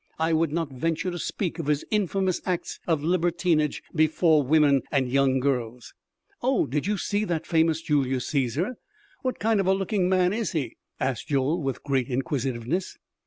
I would not venture to speak of his infamous acts of libertinage before women and young girls." "Oh! Did you see that famous Julius Cæsar? What kind of a looking man is he?" asked Joel with great inquisitiveness.